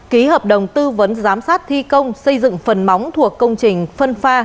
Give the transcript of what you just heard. ký hợp đồng tư vấn giám sát thi công xây dựng phần móng thuộc công trình phân pha